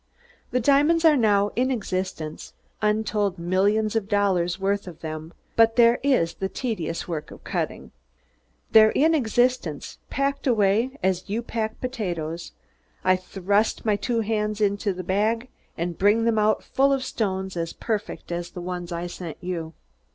"The diamonds are now in existence, untold millions of dollars' worth of them but there is the tedious work of cutting. They're in existence, packed away as you pack potatoes I thrust my two hands into a bag and bring them out full of stones as perfect as the ones I sent you."